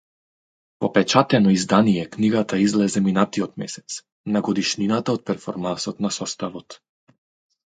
Во печатено издание книгата излезе минатиот месец, на годишнината од перформансот на составот.